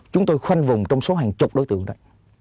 chúng tôi khoanh vùng trong số hàng chục đối tượng đấy